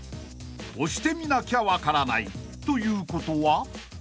［押してみなきゃ分からないということは？］